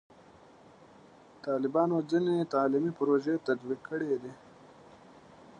طالبانو ځینې تعلیمي پروژې تطبیق کړي دي.